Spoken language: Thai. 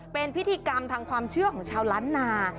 เป็นพิธีกรรมทางความเชื่อของชาวล้านนา